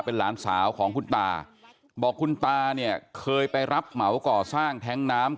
เป็นหลานสาวของคุณตาบอกคุณตาเนี่ยเคยไปรับเหมาก่อสร้างแท้งน้ำ